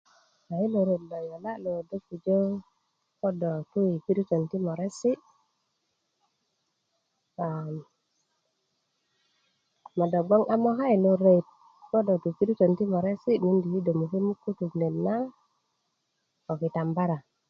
a yilo ret lo yola lo do pujö ko do tu yi piritön ti moresi a mado gbong a moka yilo ret kodo tu yi piritön to moresi miindo ti do mukemuk kutuk net na ko kitabara